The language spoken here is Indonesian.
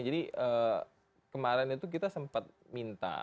jadi kemarin itu kita sempat minta